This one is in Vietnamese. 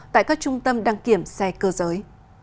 trong các trung tâm đăng kiểm xe cơ giới